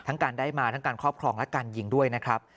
การได้มาทั้งการครอบครองและการยิงด้วยนะครับ